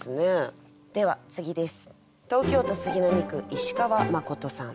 では次です。